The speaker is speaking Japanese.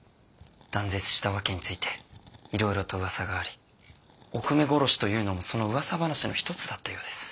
断絶した訳についていろいろとうわさがありおくめ殺しというのもそのうわさ話の一つだったようです。